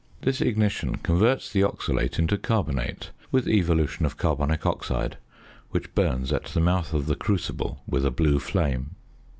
This ignition converts the oxalate into carbonate, with evolution of carbonic oxide, which burns at the mouth of the crucible with a blue flame.